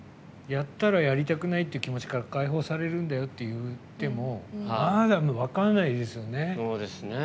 やったらやりたくないって気持ちから解放されるんだよって言ってもまだ分かんないですよね。